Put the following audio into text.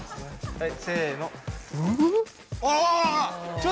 はい。